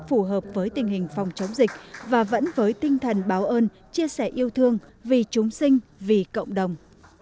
phù hợp với tình hình phòng chống dịch và vẫn với tinh thần báo ơn chia sẻ yêu thương vì chúng sinh vì cộng đồng